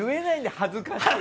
恥ずかしい？